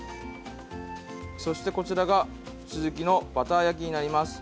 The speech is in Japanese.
そしてこちらがスズキのバター焼きになります。